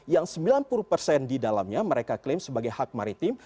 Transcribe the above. yang sembilan puluh persen di dalamnya mereka klaim sebagai hak maritim